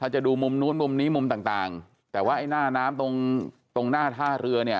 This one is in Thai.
จะดูมุมนู้นมุมนี้มุมต่างแต่ว่าไอ้หน้าน้ำตรงตรงหน้าท่าเรือเนี่ย